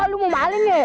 lu mau baling ya